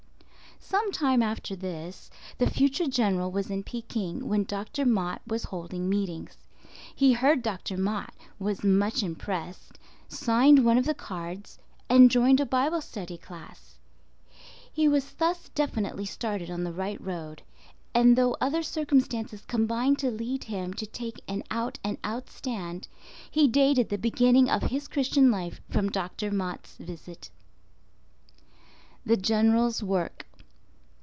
Some time after this, the future General was in Peking when Dr. Mott was holding meetings. He heard Dr. Mott, was much impressed, signed one of the cards, and joined a Bible Study Class. He was thus definitely started on the right road; and, though other circumstances combined to lead him to take an out and out stand, he dated the beginning of his Christian life from Dr. Mott's visit. THE GENERAL'S WORK.